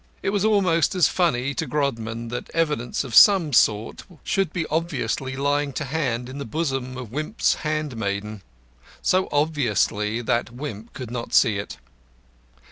It was almost as funny to Grodman that evidence of some sort should be obviously lying to hand in the bosom of Wimp's hand maiden; so obviously that Wimp could not see it.